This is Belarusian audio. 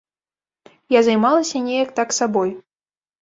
Я займалася неяк так сабой.